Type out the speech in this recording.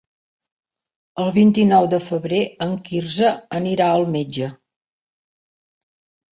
El vint-i-nou de febrer en Quirze anirà al metge.